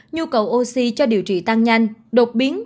nhu cầu oxy cho điều trị tăng nhanh đột biến